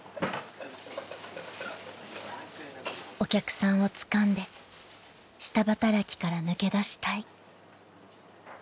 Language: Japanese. ［お客さんをつかんで下働きから抜け出したい］